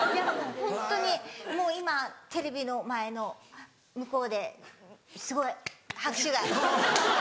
ホントにもう今テレビの前の向こうですごい拍手が。